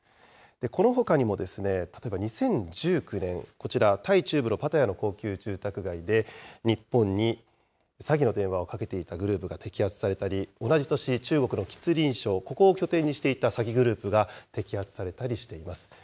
このほかにも、例えば２０１９年、こちらタイ中部のパタヤの高級住宅街で日本に詐欺の電話をかけていたグループが摘発されたり、同じ年、中国の吉林省、ここを拠点にしていた詐欺グループが摘発されたりしています。